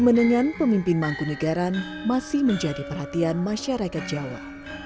menengan pemimpin mangku ngaran masih menjadi perhatian masyarakat jawa